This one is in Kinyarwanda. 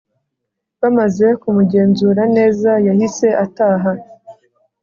Bamaze kumugenzura neza yahise ataha